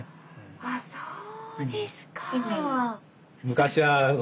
あっそうですか。